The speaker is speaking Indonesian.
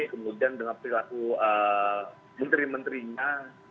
kemudian dengan perilaku menteri menterinya